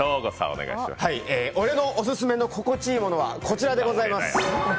俺のオススメの心地いいものはこちらでございます。